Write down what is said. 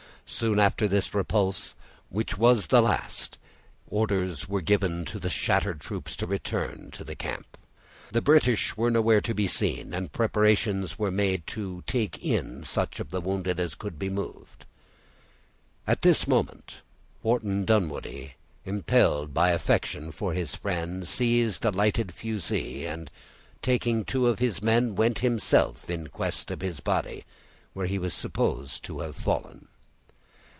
Soon after this repulse, which was the last, orders were given to the shattered troops to return to the camp. The British were nowhere to be seen, and preparations were made to take in such of the wounded as could be moved. At this moment Wharton Dunwoodie, impelled by affection for his friend, seized a lighted fusee, and taking two of his men went himself in quest of his body, where he was supposed to have fallen.